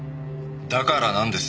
だからなんです？